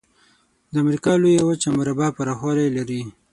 د امریکا لویه وچه مربع پرخوالي لري.